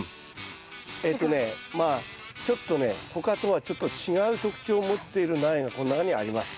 えっとねまあちょっとね他とはちょっと違う特徴を持っている苗がこの中にあります。